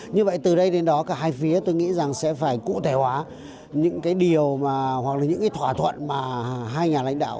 như vậy từ đây đến đó cả hai phía tôi nghĩ rằng sẽ phải cụ thể hóa những cái điều mà hoặc là những cái thỏa thuận mà hai nhà lãnh đạo